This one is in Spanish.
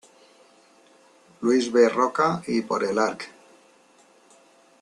Luis B. Rocca, y por el arq.